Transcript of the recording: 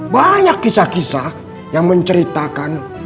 banyak kisah kisah yang menceritakan